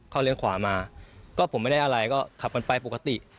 เขาเลี้ยขวามาก็ผมไม่ได้อะไรก็ขับกันไปปกติ